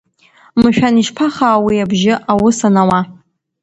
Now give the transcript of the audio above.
Мшәан, ишԥахаау уи абжьы, аус анауа!